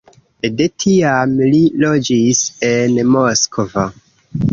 De tiam li loĝis en Moskvo.